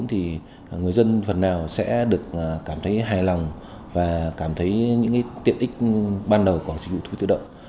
thì người dân phần nào sẽ được cảm thấy hài lòng và cảm thấy những tiện ích ban đầu của dịch vụ thuế tự động